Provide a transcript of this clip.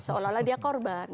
seolah olah dia korban